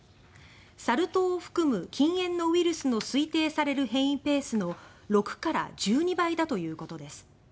サル痘を含む近縁のウイルスの推定される変異ペースの６から１２倍だということです。